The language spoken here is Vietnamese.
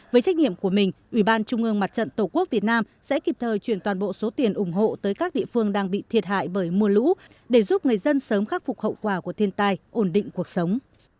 với trách nhiệm của mình ủy ban trung ương mặt trận tổ quốc việt nam sẽ kịp thời chuyển toàn bộ số tiền ủng hộ tới các địa phương đang bị thiệt hại bởi mùa lũ để giúp người dân sớm khắc phục hậu quả của thiên tai ổn định cuộc sống